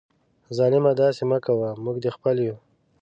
ظالمه داسي مه کوه ، موږ دي خپل یو